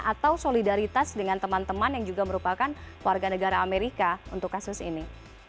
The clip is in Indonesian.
atau solidaritas dengan teman teman yang juga merupakan warga negara amerika untuk kasus ini